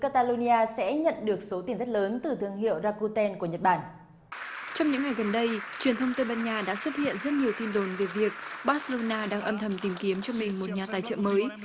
trong những ngày gần đây truyền thông tây ban nha đã xuất hiện rất nhiều tin đồn về việc barslona đang âm thầm tìm kiếm cho mình một nhà tài trợ mới